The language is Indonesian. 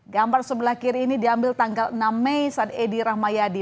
gambar sebelah kiri ini diambil tanggal enam mei saat edi rahmayadi